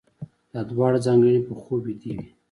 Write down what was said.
دا دواړه ځانګړنې په خوب ويدې وي.